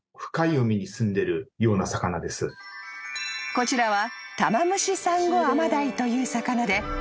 ［こちらは］